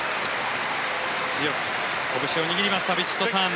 強くこぶしを握りましたヴィチットサーン。